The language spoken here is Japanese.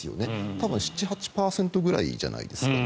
多分７８％ぐらいじゃないですか